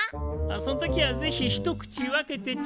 その時はぜひ一口分けてちょ。